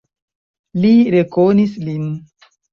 Li rekonis lin.